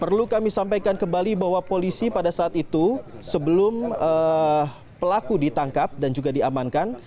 perlu kami sampaikan kembali bahwa polisi pada saat itu sebelum pelaku ditangkap dan juga diamankan